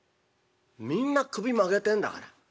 みんな首曲げてんだから。